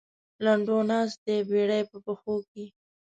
لنډو ناست دی بېړۍ په پښو کې.